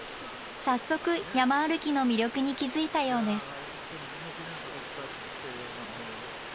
早速山歩きの魅力に気付いたようです。